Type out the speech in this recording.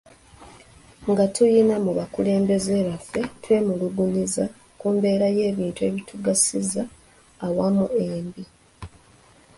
Nga tuyina mu bakulembeze baffe twemulugunyizza ku mbeera y'ebintu ebitugasiza awamu embi.